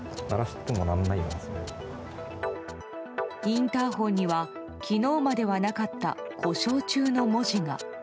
インターホンには昨日まではなかった故障中の文字が。